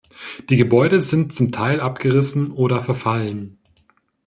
Die Gebäude sind zum Teil abgerissen oder verfallen.